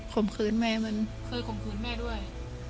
ข่มขืนแม่มันเคยข่มขืนแม่ด้วย